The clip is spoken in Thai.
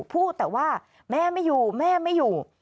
พูดแต่ว่าแม่ไม่อยู่แม่ไม่อยู่